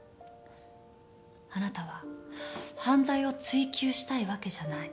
あなたは犯罪を追及したいわけじゃない。